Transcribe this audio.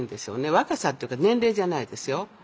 若さっていうか年齢じゃないですよ。